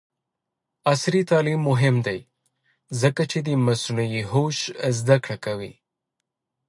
عصري تعلیم مهم دی ځکه چې د مصنوعي هوش زدکړه کوي.